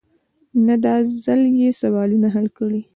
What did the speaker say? نه داځل يې سوالونه حل کړي.